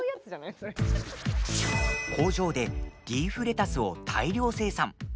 工場でリーフレタスを大量生産。